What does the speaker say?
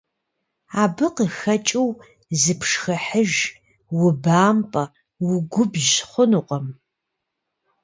Абы къыхэкӀыу, зыпшхыхьыж, убампӀэ, угубжь хъунукъым.